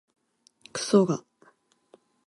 くそが